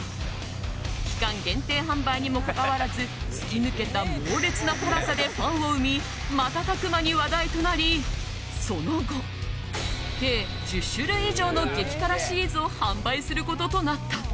期間限定販売にもかかわらず突き抜けた猛烈な辛さでファンを生み瞬く間に話題となり、その後計１０種類以上の激辛シリーズを販売することとなった。